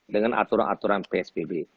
dengan aturan aturan psbb